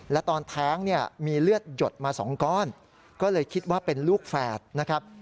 และตอนแท้งเนี่ยมีเลือดหยดมา๒ก้อนก็เลยคิดว่าเป็นลูกแฝดนะครับ